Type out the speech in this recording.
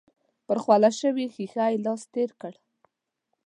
پر خوله شوې ښيښه يې لاس تېر کړ.